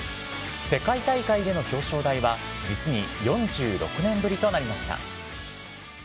世界大会での表彰台は、実に４６年ぶりとなりました。